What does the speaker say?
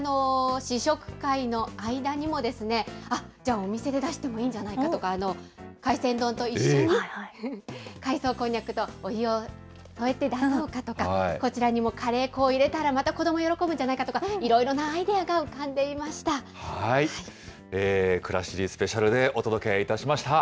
試食会の間にも、じゃあ、お店で出してもいいんじゃないかとか、海鮮丼と一緒に、海草こんにゃくとお湯を添えて出そうかとか、こちらにもカレー粉を入れたら、また子どもが喜ぶんじゃないかとか、いろいろなアイデアが浮かんでいました。